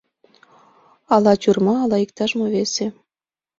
— Ала тюрьма, ала иктаж-мо весе...